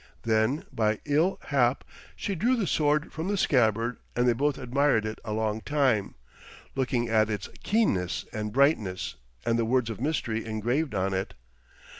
Then, by ill hap, she drew the sword from the scabbard, and they both admired it a long time, looking at its keenness and brightness and the words of mystery engraved on it.